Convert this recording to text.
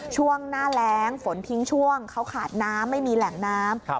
ช่วงหน้าแรงฝนทิ้งช่วงเขาขาดน้ำไม่มีแหล่งน้ำ